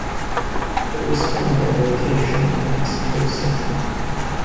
It was filmed on location in Mexico City.